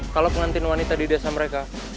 kalau pengantin wanita di desa mereka